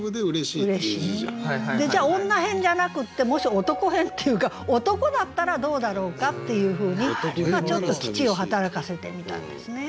じゃあ女偏じゃなくってもし男偏っていうか「男」だったらどうだろうかっていうふうにちょっと機知を働かせてみたんですね。